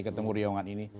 ketemu riungan ini